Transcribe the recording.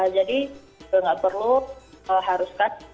jadi itu tidak perlu haruskan